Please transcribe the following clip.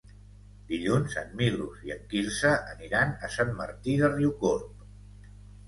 Dilluns en Milos i en Quirze aniran a Sant Martí de Riucorb.